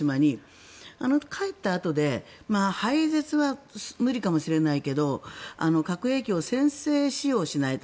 あの帰ったあとで廃絶は無理かもしれないけど核兵器を先制使用しないと。